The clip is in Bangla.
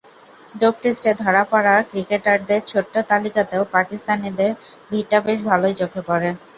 ডোপ টেস্টে ধরা পড়া ক্রিকেটারদের ছোট্ট তালিকাতেও পাকিস্তানিদের ভিড়টা বেশ ভালোই চোখে পড়ে।